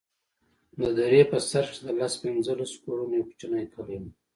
د درې په سر کښې د لس پينځه لسو کورونو يو کوچنى کلى و.